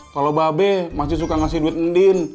kalau babe masih suka ngasih duit